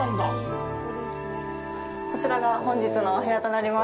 こちらが本日のお部屋となります。